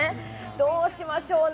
どうしましょうね。